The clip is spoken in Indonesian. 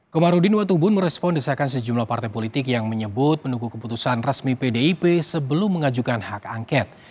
komarudin watubun merespon desakan sejumlah partai politik yang menyebut menunggu keputusan resmi pdip sebelum mengajukan hak angket